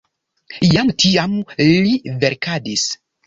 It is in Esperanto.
Jam tiam li verkadis.